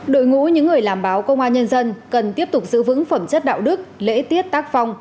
đội ngũ những người làm báo công an nhân dân cần tiếp tục giữ vững phẩm chất đạo đức lễ tiết tác phong